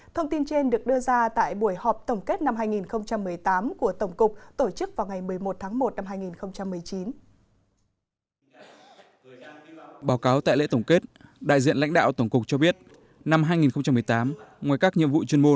thông tin trên được đưa ra tại buổi họp tổng kết năm hai nghìn một mươi tám của tổng cục tổ chức vào ngày một mươi một tháng một năm hai nghìn một mươi chín